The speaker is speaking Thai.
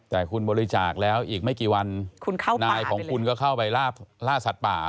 แต่คุณบริจาคแล้วอีกไม่กี่วันนายของคุณก็เข้าไปล่าสัตว์ป่า